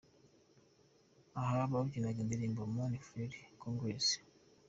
Aha babyinaga indirimbo Mon Frere Congolais.